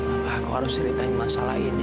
apakah aku harus ceritain masalah ini